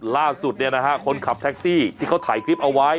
ล่าสุดคนขับแท็กซี่ที่เขาถ่ายคลิปเอาไว้